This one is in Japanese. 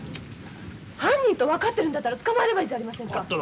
犯人と分かってるんだったら捕まえればいいじゃありませんか。